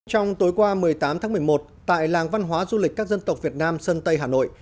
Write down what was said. trong tối qua một mươi tám tháng một mươi một tại làng văn hóa du lịch các dân tộc việt nam sơn tây hà nội